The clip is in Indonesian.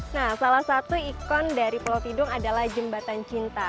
nah salah satu ikon dari pulau tidung adalah jembatan cinta